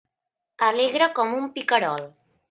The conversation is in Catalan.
Alegre com un picarol.